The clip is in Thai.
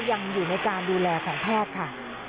ยังอยู่ในการดูแลของแพทย์ค่ะ